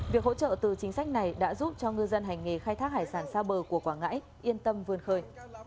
việc hỗ trợ từ chính sách này đã giúp cho ngư dân hành nghề khai thác hải sản xa bờ của quảng ngãi yên tâm vươn khơi